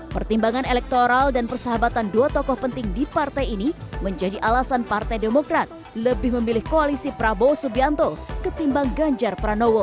pertimbangan elektoral dan persahabatan dua tokoh penting di partai ini menjadi alasan partai demokrat lebih memilih koalisi prabowo subianto ketimbang ganjar pranowo